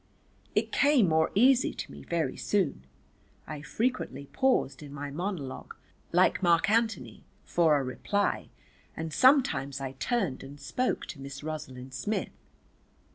It came more easy to me very soon, I frequently paused in my monologue, like Mark Anthony, for a reply, and sometimes I turned and spoke to Miss Rosalind Smith.